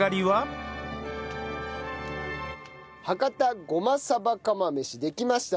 博多ごまさば釜飯できました。